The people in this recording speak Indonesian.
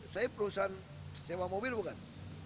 saya perusahaan sewa mobil bukan